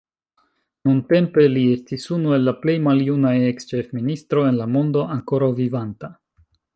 Nuntempe li estis unu el la plej maljunaj eks-ĉefministroj en la mondo ankoraŭ vivanta.